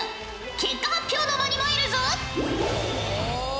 結果発表の間に参るぞ！